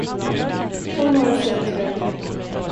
Ta några steg åt höger.